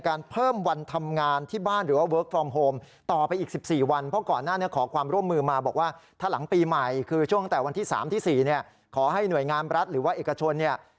ขอให้หน่วยงานภาครัฐหรือว่าเอกชนเนี่ย